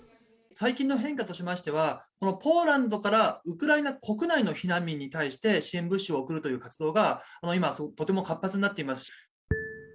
最近の変化としましては、このポーランドからウクライナ国内の避難民に対して、支援物資を送るという活動が、今、とても活発になっています。